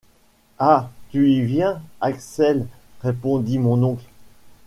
Ah ! tu y viens, Axel ! répondit mon oncle.